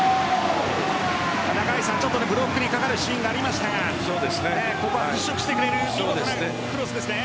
ブロックにかかるシーンがありましたがここは払拭してくれるクロスですね。